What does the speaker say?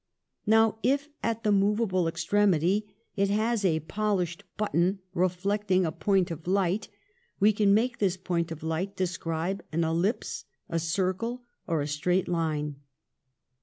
Now, if at the mova ble extremity it has a polished button reflecting a point of light, we can make this point of light describe an ellipse, a circle or a straight line.